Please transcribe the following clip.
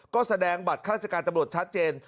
ก็แสดงบัตรธรรมชาติเจน